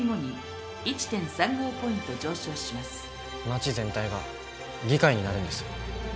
町全体が議会になるんです。